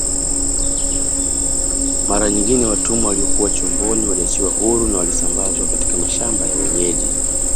Mara nyingine watumwa waliokuwa chomboni waliachiwa huru na walisambazwa katika mashamba ya wenyeji